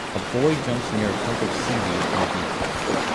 A boy jumps near a clump of seaweed on a beach